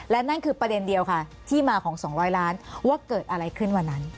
และนั่นคือประเด็นเดียวค่ะที่มาของ๒๐๐ล้านว่าเกิดอะไรขึ้นวันนั้น